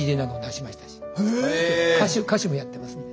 歌手もやってますんで。